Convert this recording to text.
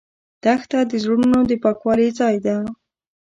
دښته د زړونو د پاکوالي ځای ده.